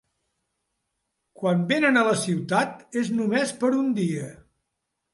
Quan venen a la ciutat és només per un dia.